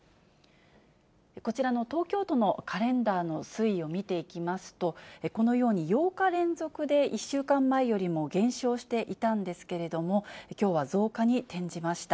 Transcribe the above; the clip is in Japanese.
こちらの東京都のカレンダーの推移を見ていきますと、このように、８日連続で１週間前よりも減少していたんですけれども、きょうは増加に転じました。